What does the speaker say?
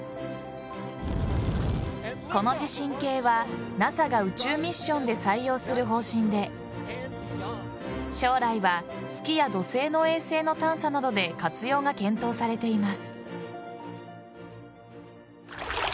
この地震計はＮＡＳＡが宇宙ミッションで採用する方針で将来は月や土星の衛星の探査などで活用が検討されています。